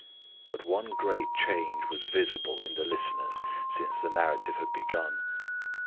But one great change was visible in the listeners since the narrative had begun.